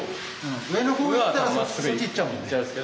上の方行ったらそっち行っちゃうもんね。